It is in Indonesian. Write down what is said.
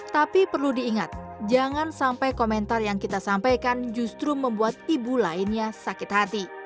tapi perlu diingat jangan sampai komentar yang kita sampaikan justru membuat ibu lainnya sakit hati